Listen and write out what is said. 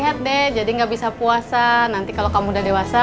sehat deh jadi gak bisa puasa nanti kalau kamu udah dewasa